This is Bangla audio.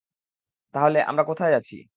তাহলে, আমরা কোথায় আছি?